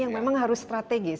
yang memang harus strategis